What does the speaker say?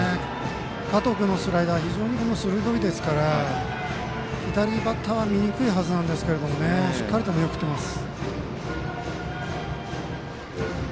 加藤君のスライダー、鋭いですから左バッターは見にくいはずなんですけどしっかりと見送っています。